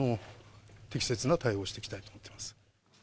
適切な対応をしていきたいと思っています。